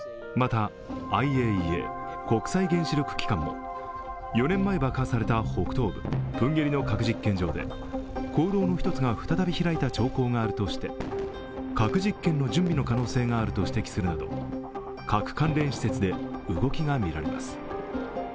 また、ＩＡＥＡ＝国際原子力機関も４年前爆破された北東部の核実験場で坑道の１つが再び開いた兆候があるとして核実験の準備の可能性があると指摘するなど、核関連施設で動きが見られます。